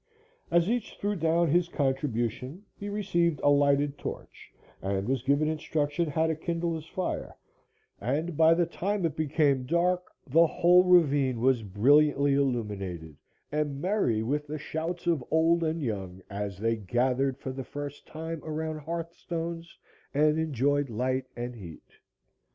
As each threw down his contribution he received a lighted torch and was given instruction how to kindle his fire, and, by the time it became dark, the whole ravine was brilliantly illuminated and merry with the shouts of old and young as they gathered for the first time around hearthstones and enjoyed light and heat.